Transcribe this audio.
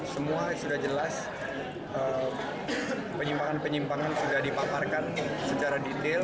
semua sudah jelas penyimpangan penyimpangan sudah dipaparkan secara detail